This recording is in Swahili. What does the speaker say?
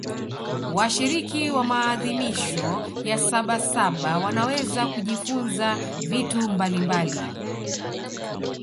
washiriki wa maadhimisho ya sabasaba wanaweza kujifunza vitu mbalimbali